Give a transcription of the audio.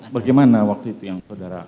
bagaimana waktu itu yang saudara